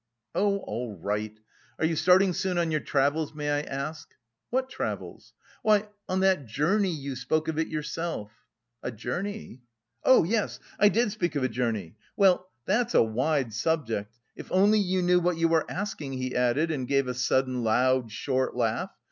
"Oh, all right. Are you starting soon on your travels, may I ask?" "What travels?" "Why, on that 'journey'; you spoke of it yourself." "A journey? Oh, yes. I did speak of a journey. Well, that's a wide subject.... if only you knew what you are asking," he added, and gave a sudden, loud, short laugh.